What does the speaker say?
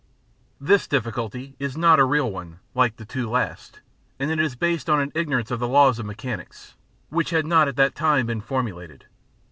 This difficulty is not a real one, like the two last, and it is based on an ignorance of the laws of mechanics, which had not at that time been formulated.